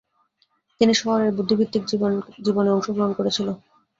তিনি শহরের বুদ্ধিবৃত্তিক জীবনে অংশগ্রহণ করেছিল।